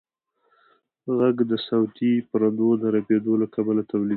غږ د صوتي پردو د رپېدو له کبله تولیدېږي.